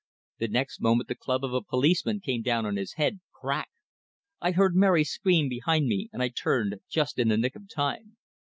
The next moment the club of a policeman came down on his head, crack. I heard Mary scream behind me, and I turned, just in the nick of time.